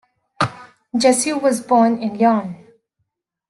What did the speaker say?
Jussieu was born in Lyon.